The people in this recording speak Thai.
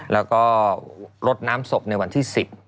แล้วก็ลดน้ำศพในวันที่๑๐